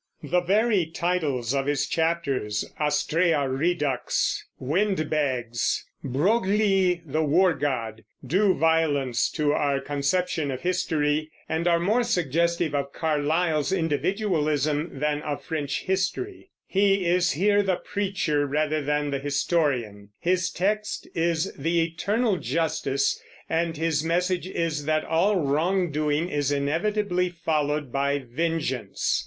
The very titles of his chapters "Astraea Redux," "Windbags," "Broglie the War God" do violence to our conception of history, and are more suggestive of Carlyle's individualism than of French history. He is here the preacher rather than the historian; his text is the eternal justice; and his message is that all wrongdoing is inevitably followed by vengeance.